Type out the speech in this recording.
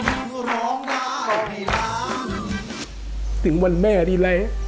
โทษให้